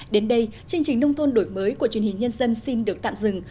đến đây chương trình nông thôn đổi mới của truyền hình nhân dân xin được tạm dừng